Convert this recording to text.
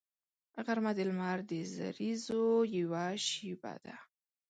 غرمه د لمر د زریزو یوه شیبه ده